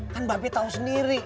kan babi tau sendiri